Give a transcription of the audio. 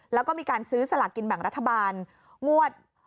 แล้วก็มีการซื้อสลากกินแบ่งรัฐบาลงวด